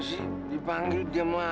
setidaknya believer mereka bisa merah